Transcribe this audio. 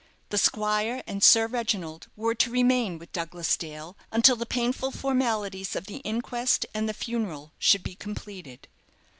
The squire and Sir Reginald were to remain with Douglas Dale until the painful formalities of the inquest and the funeral should be completed.